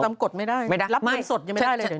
ทำกฎไม่ได้รับเงินสดยังไม่ได้เลย